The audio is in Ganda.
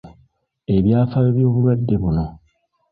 Ebyafaayo by’obulwadde buno.